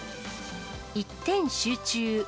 一点集中。